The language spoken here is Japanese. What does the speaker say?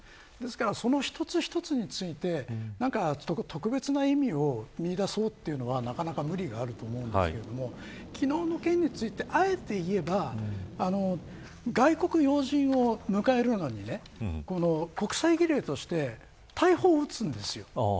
ですから、その一つ一つについて特別な意味を見いだそうというのは、なかなか無理があると思うんですけど昨日の件についてあえて言えば外国要人を迎えるのに国際儀礼として大砲を撃つんです。